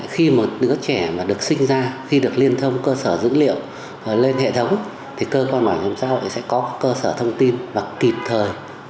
khi một đứa trẻ mà được sinh ra khi được liên thông cơ sở dữ liệu lên hệ thống thì cơ quan bảo hiểm xã hội sẽ có cơ sở thông tin và kịp thời